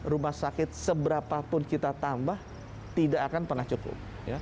rumah sakit seberapapun kita tambah tidak akan pernah cukup